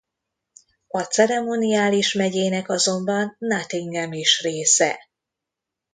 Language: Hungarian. A ceremoniális megyének azonban Nottingham is része.